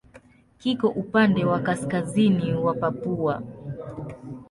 Kiko upande wa kaskazini wa Papua.